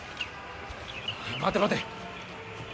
待て待て。